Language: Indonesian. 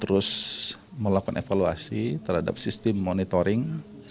terus melakukan evaluasi terhadap sistem monitoring